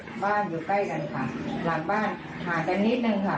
บ้านอยู่ใกล้กันค่ะหลังบ้านห่างกันนิดนึงค่ะ